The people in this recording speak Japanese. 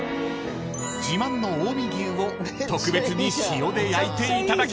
［自慢の近江牛を特別に塩で焼いていただきました］